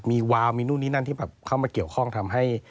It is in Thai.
มีวาวมีนู่นนี่นั่นที่แบบเข้ามาเกี่ยวข้องทำให้